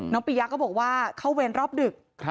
ปียะก็บอกว่าเข้าเวรรอบดึก